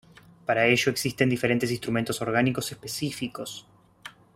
Para ello existen diferentes instrumentos orgánicos específicos.